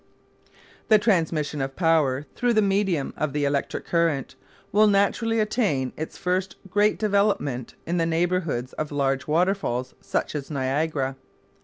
The transmission of power through the medium of the electric current will naturally attain its first great development in the neighbourhoods of large waterfalls such as Niagara.